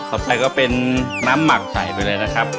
ไปก็เป็นน้ำหมักใส่ไปเลยนะครับ